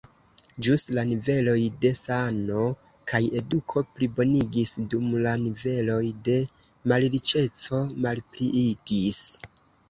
Ĵus la niveloj de sano kaj eduko plibonigis, dum la niveloj de malriĉeco malpliigis.